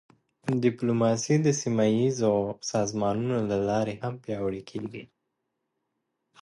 ډیپلوماسي د سیمهییزو سازمانونو له لارې هم پیاوړې کېږي.